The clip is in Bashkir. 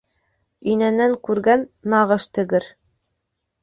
Инәнән күргән нағыш тегер.